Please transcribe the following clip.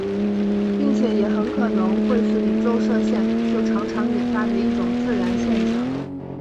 并且也很可能会是宇宙射线就常常引发的一种自然现象。